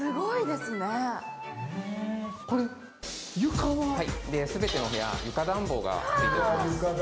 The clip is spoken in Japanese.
すべての部屋、床暖房がついています。